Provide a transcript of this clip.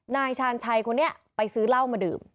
นายชาญชัยคนนี้ไปซื้อเหล้ามาดื่ม